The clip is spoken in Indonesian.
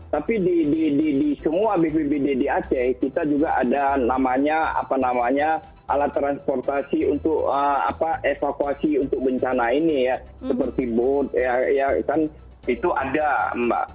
tapi di semua bpbd di aceh kita juga ada namanya alat transportasi untuk evakuasi untuk bencana ini ya seperti booth ya kan itu ada mbak